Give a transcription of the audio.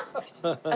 ハハハハ！